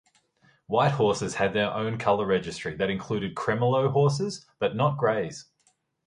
White horses had their own color registry that included cremello horses, but not grays.